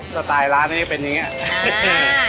จะตายร้านให้เป็นแบบนี้